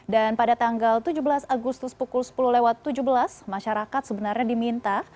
dan pada tanggal tujuh belas agustus pukul sepuluh lewat tujuh belas masyarakat sebenarnya diminta